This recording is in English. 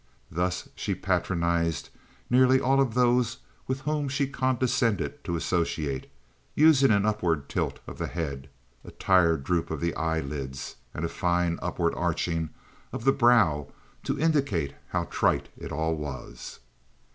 Thus she patronized nearly all of those with whom she condescended to associate, using an upward tilt of the head, a tired droop of the eyelids, and a fine upward arching of the brows to indicate how trite it all was.